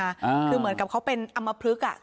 คือเหมือนกับเขาเป็นอำมพลึกอ่ะ